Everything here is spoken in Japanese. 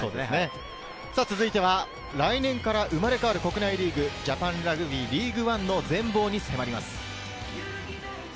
続いては来年から生まれ変わる国内リーグ、ジャパンラグビーリーグワンの全貌に迫ります。